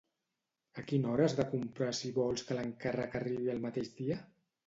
A quina hora has de comprar si vols que l'encàrrec arribi el mateix dia?